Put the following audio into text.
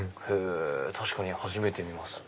確かに初めて見ます。